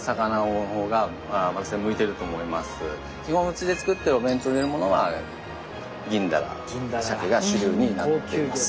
基本うちで作ってるお弁当に入れるものは銀ダラシャケが主流になっています。